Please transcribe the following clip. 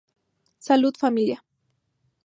Salud familia.